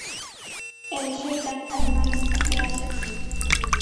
E rexeitan, ademais, as peaxes.